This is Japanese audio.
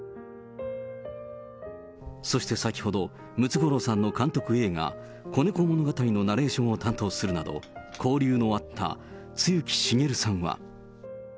そして先ほど、ムツゴロウさんの監督映画、子猫物語のナレーションを担当するなど、交流のあった露木茂さんは。